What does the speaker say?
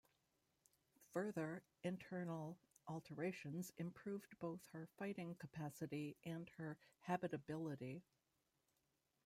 Further internal alterations improved both her fighting capacity and her habitability.